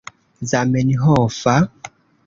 zamenhofa